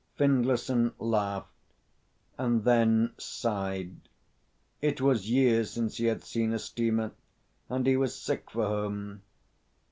Findlayson laughed and then sighed. It was years since he had seen a steamer, and he was sick for home.